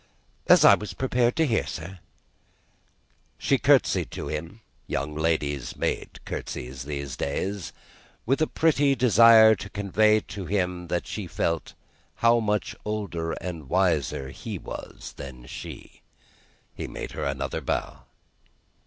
"As I was prepared to hear, sir." She curtseyed to him (young ladies made curtseys in those days), with a pretty desire to convey to him that she felt how much older and wiser he was than she. He made her another bow.